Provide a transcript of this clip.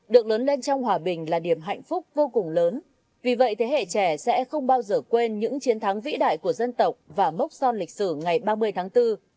được lớn lên trong hòa bình là điểm hạnh phúc vô cùng lớn vì vậy thế hệ trẻ sẽ không bao giờ quên những chiến thắng vĩ đại của dân tộc và mốc son lịch sử ngày ba mươi tháng bốn